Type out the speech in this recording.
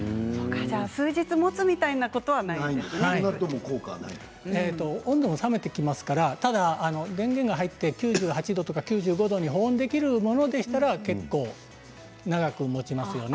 数日もつということは温度が冷めてきますから電源が入って９８度ぐらいに保温できるものでしたらずいぶん長くもちますよね。